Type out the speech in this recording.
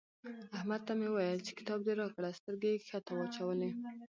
احمد ته مې وويل چې کتاب دې راکړه؛ سترګې يې کښته واچولې.